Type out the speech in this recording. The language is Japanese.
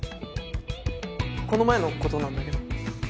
この前の事なんだけど。